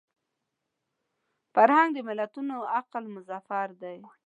فرهنګ د ملتونو عقل مظهر دی